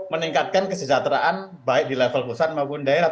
meningkatkan kesejahteraan baik di level pusat maupun daerah